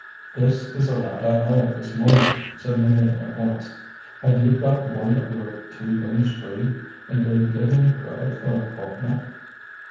"This is a lad I hired this morning," said Maheu at once. "Have you got one of your two rooms free, and will you give him credit for a fortnight?"